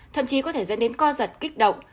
thậm chí có thể dẫn đến co giật kích động